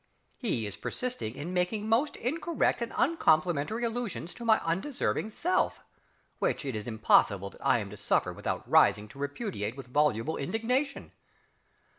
He is persisting in making most incorrect and uncomplimentary allusions to my undeserving self, which it is impossible that I am to suffer without rising to repudiate with voluble indignation!